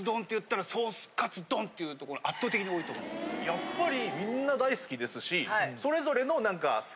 やっぱり。